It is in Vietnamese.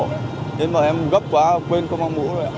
nên mà em gấp quá quên có mang mũ rồi